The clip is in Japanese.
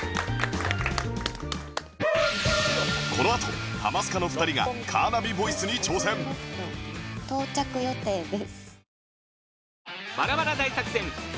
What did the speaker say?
このあと『ハマスカ』の２人がカーナビボイスに挑戦到着予定です。